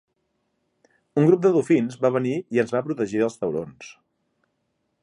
Un grup de dofins va venir i ens va protegir dels taurons.